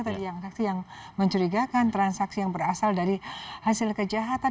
transaksi yang mencurigakan transaksi yang berasal dari hasil kejahatan